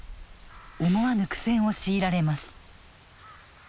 思わぬ苦戦を強いられます。